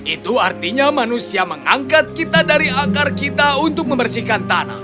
itu artinya manusia mengangkat kita dari akar kita untuk membersihkan tanah